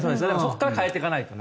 ここから変えていかないとね。